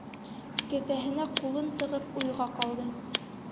Кеҫәһенә ҡулын тығып уйға ҡалды.